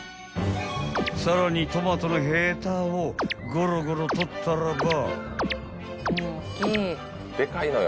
［さらにトマトのへたをゴロゴロ取ったらば］